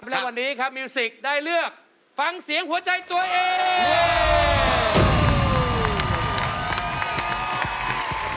และวันนี้ครับมิวสิกได้เลือกฟังเสียงหัวใจตัวเอง